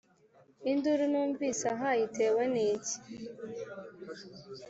induru numvise aha itewe n' iki?"